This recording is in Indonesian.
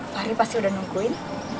pak ari pasti udah nungguin